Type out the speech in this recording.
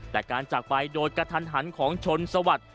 แต่การจากไปโดยกระทันหันของชนสวัสดิ์